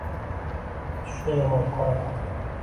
Kutishni yomon ko`raman